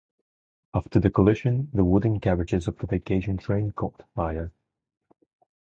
After the collision, the wooden carriages of the vacation train caught fire.